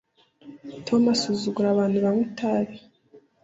tom asuzugura abantu banywa itabi